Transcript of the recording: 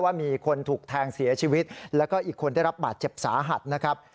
ว่ามีคนถูกแทงเสียชีวิตแล้วก็อีกคนได้รับบาดเจ็บสาหัสนะครับ